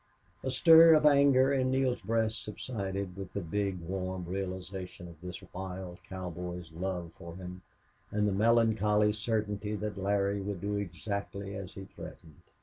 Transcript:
A stir of anger in Neale's breast subsided with the big, warm realization of this wild cowboy's love for him and the melancholy certainty that Larry would do exactly as he threatened.